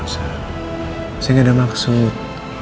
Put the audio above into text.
saya gak ada maksud